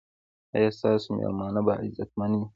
ایا ستاسو میلمانه به عزتمن وي؟